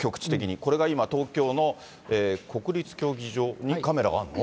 これが東京の国立競技場にカメラがあるの？